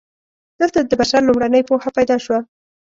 دلته د بشر لومړنۍ پوهه پیدا شوه.